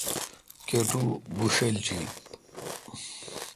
کاٹو بوݭلجیت۔